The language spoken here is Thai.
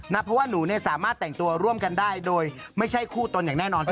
เพราะว่าหนูสามารถแต่งตัวร่วมกันได้โดยไม่ใช่คู่ตนอย่างแน่นอน